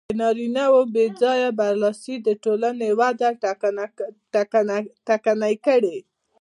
د نارینهوو بې ځایه برلاسي د ټولنې وده ټکنۍ کړې.